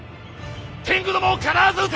天狗どもを必ず討て！